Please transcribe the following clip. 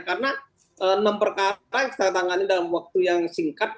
karena enam perkara yang setakat tangan ini dalam waktu yang singkat